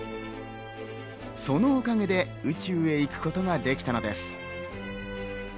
そのおかげで宇宙へ行くことができたのです。